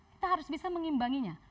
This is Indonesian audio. kita harus bisa mengimbanginya